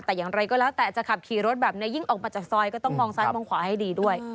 แต่อย่างไรก็แล้วแต่จะขับขี่รถแบบนี้